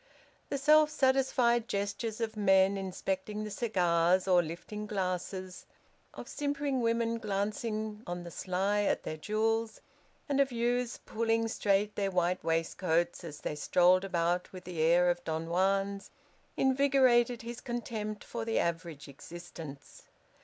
The self satisfied gestures of men inspecting their cigars or lifting glasses, of simpering women glancing on the sly at their jewels, and of youths pulling straight their white waistcoats as they strolled about with the air of Don Juans, invigorated his contempt for the average existence.